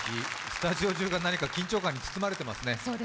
スタジオ中が何か緊張感に包まれていますね。